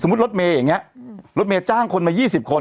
สมมุติรถเมย์อย่างเงี้ยรถเมย์จ้างคนมายี่สิบคน